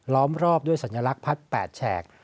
้อมรอบด้วยสัญลักษณ์พัด๘แฉก